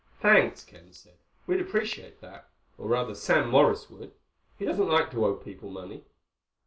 "Thanks," Ken said. "We'd appreciate that—or, rather, Sam Morris would. He doesn't like to owe people money."